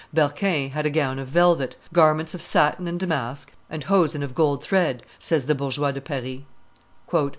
"Berquin had a gown of velvet, garments of satin and damask, and hosen of gold thread," says the Bourgeois de Paris.